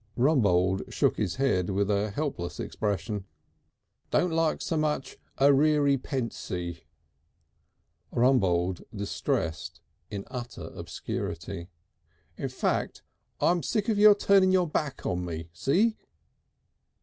Rumbold shook his head with a helpless expression. "Don't like so much Arreary Pensy." Rumbold distressed in utter obscurity. "In fact, I'm sick of your turning your back on me, see?"